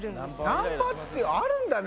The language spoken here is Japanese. ナンパってあるんだね